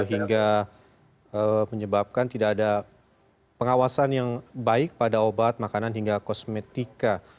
hingga menyebabkan tidak ada pengawasan yang baik pada obat makanan hingga kosmetika